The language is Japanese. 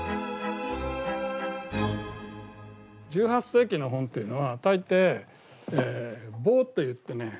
１８世紀の本っていうのは大抵えボーと言ってね